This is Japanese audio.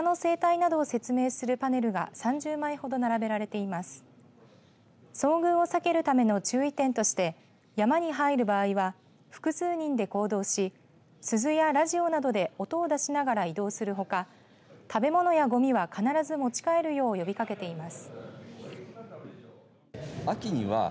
遭遇を避けるための注意点として山に入る場合は複数人で行動し鈴やラジオなどで音を出しながら移動するほか食べ物やごみは必ず持ち帰るよう呼びかけています。